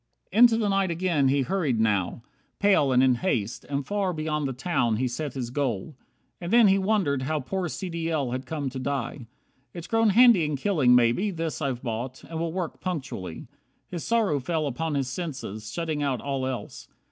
64 Into the night again he hurried, now Pale and in haste; and far beyond the town He set his goal. And then he wondered how Poor C. D. L. had come to die. "It's grown Handy in killing, maybe, this I've bought, And will work punctually." His sorrow fell Upon his senses, shutting out all else.